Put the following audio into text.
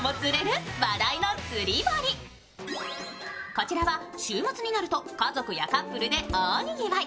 こちらは週末になると家族やカップルで大にぎわい